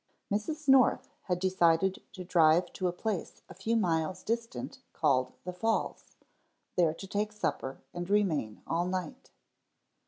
_" Mrs. North had decided to drive to a place a few miles distant called the Falls, there to take supper and remain all night.